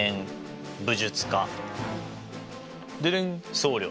僧侶。